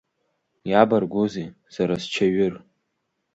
Иабаргәузеи са счаҩыр!